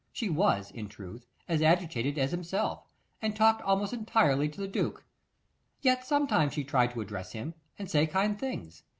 She was, in truth, as agitated as himself, and talked almost entirely to the duke; yet sometimes she tried to address him, and say kind things.